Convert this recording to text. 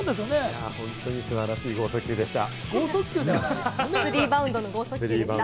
本当に素晴らしい剛速球でした。